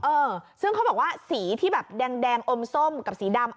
เออซึ่งเขาบอกว่าสีที่แบบแดงอมส้มกับสีดำ